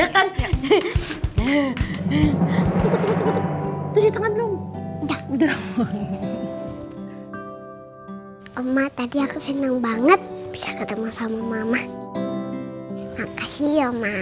tepuk dulu yang matanya